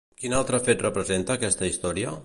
Quin altre fet representa aquesta història?